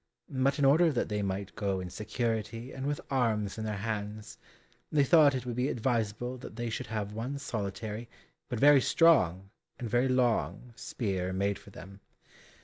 But in order that they might go in security and with arms in their hands, they thought it would be advisable that they should have one solitary, but very strong, and very long spear made for them.